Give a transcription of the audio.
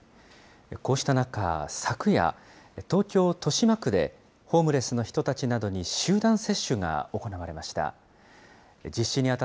こうした中、昨夜、東京・豊島区で、ホームレスの人たちなどに集団接種が行われました。